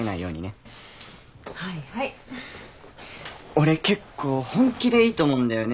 俺結構本気でいいと思うんだよね。